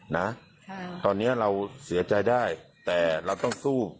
นะตอนนี้เราเสียใจได้แต่เราต้องสู้